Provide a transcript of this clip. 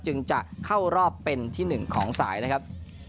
จึงจะเข้ารอบเป็นที่๑ของสายนะครับ